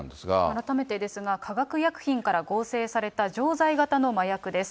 改めてですが、化学薬品から合成された錠剤型の麻薬です。